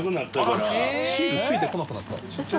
シール付いてこなくなった鷲見）ウソ。